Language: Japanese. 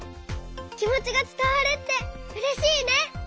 きもちがつたわるってうれしいね！